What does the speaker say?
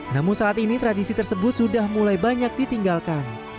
namun saat ini tradisi tersebut sudah mulai banyak ditinggalkan